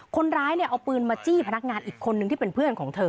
คนร้ายเนี่ยเอาปืนมาจี้พนักงานอีกคนนึงที่เป็นเพื่อนของเธอ